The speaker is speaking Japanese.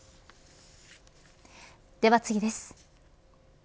では次です。